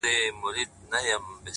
• ما په اول ځل هم چنداني گټه ونه کړه ـ